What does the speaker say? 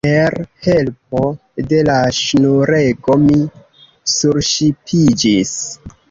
Per helpo de la ŝnurego mi surŝipiĝis.